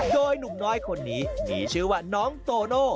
โดยหนุ่มน้อยคนนี้มีชื่อว่าน้องโตโน่